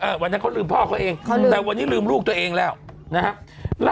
วันนั้นเขาลืมพ่อเขาเองแต่วันนี้ลืมลูกตัวเองแล้วนะครับ